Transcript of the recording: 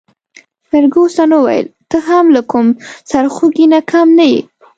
فرګوسن وویل: ته هم له کوم سرخوږي نه کم نه يې.